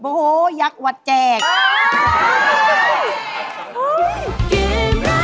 โอ้โหยักษ์วัดแจก